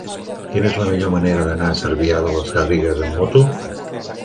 Quina és la millor manera d'anar a Cervià de les Garrigues amb moto?